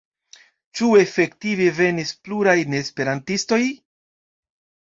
Ĉu efektive venis pluraj neesperantistoj?